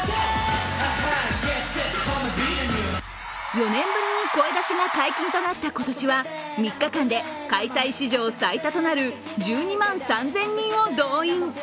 ４年ぶりに声出しが解禁となった今年は３日間で開催史上最多となる１２万３０００人を動員。